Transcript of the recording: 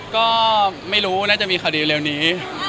ก็ไม่รู้น่าจะมีคดีเร็วนี้